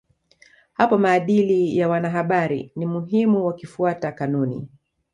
Hapo maadili ya wanahabari ni muhimu wakifuata kanuni